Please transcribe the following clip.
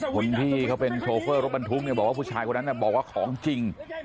คนที่เขาเป็นโชเฟอร์รถบรรทุกเนี่ยบอกว่าผู้ชายคนนั้นบอกว่าของจริง